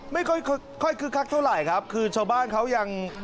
ไม่ค่อยค่อยคึกคักเท่าไหร่ครับคือชาวบ้านเขายัง